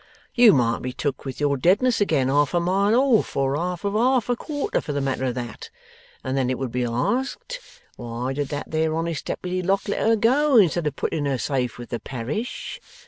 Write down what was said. You might be took with your deadness again, half a mile off or half of half a quarter, for the matter of that and then it would be asked, Why did that there honest Deputy Lock, let her go, instead of putting her safe with the Parish?